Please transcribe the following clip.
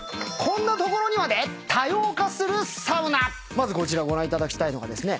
まずご覧いただきたいのがですね